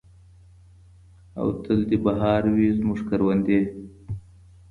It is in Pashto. او تل دې بہار وي زموږ کروندې.